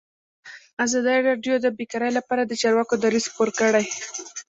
ازادي راډیو د بیکاري لپاره د چارواکو دریځ خپور کړی.